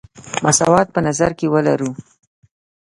مساوات په نظر کې ولرو.